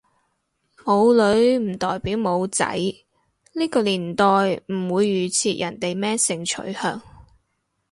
冇女唔代表冇仔，呢個年代唔會預設人哋咩性取向